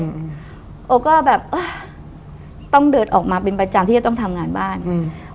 อืมโอก็แบบเออต้องเดินออกมาเป็นประจำที่จะต้องทำงานบ้านอืม